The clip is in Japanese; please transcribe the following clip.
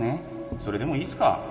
それでもいいすか？